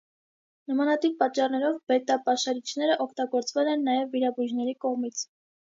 Նմանատիպ պատճառներով բետա պաշարիչները օգտագործվել են նաև վիրաբույժների կողմից։